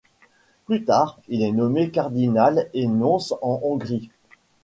Plus tard, il est nommé cardinal et nonce en Hongrie.